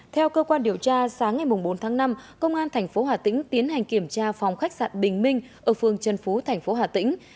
theo cơ quan điều tra sáng ngày bốn tháng năm công an tp hà tĩnh tiến hành kiểm tra phòng khách sạn bình minh ở phương trần phú tp hà tĩnh